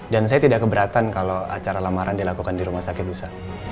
saya tidak keberatan kalau acara lamaran dilakukan di rumah sakit nusa